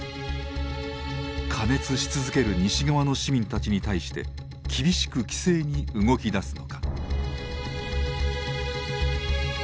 過熱し続ける西側の市民たちに対して厳しく規制に動きだすのか。